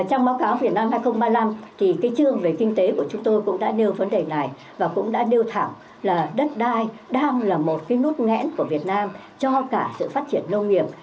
trong báo cáo việt nam hai nghìn ba mươi năm thì cái chương về kinh tế của chúng tôi cũng đã nêu vấn đề này và cũng đã đưa thẳng là đất đai đang là một cái nút nghẽn của việt nam cho cả sự phát triển nông nghiệp